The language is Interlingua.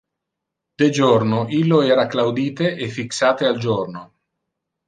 De jorno illo era claudite e fixate al jorno.